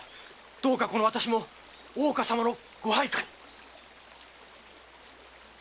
どうかこの私も大岡様のご配下に。